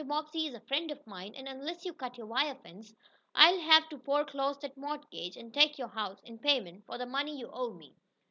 Bobbsey is a friend of mine and unless you cut your wire fence, I'll have to foreclose that mortgage, and take your house in payment for the money you owe me.